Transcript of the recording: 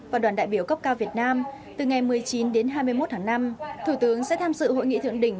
và đoàn đại biểu cấp cao việt nam từ ngày một mươi chín đến hai mươi một tháng năm thủ tướng sẽ tham dự hội nghị thượng đỉnh